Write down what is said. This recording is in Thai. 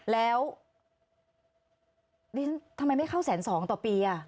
แล้วทำไมไม่เข้าแสนสองต่อปีอ่ะ